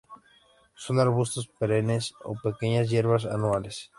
Son arbustos perennes o pequeñas hierbas anuales.